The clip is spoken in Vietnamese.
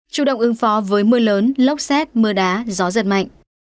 chủ động ứng phó với mưa lớn lốc xét mưa đá gió giật mạnh